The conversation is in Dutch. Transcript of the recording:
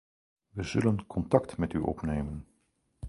We zullen contact met u opnemen.